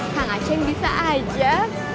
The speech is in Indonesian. kang acehnya bisa aja